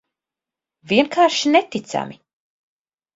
Vienkārši neticami.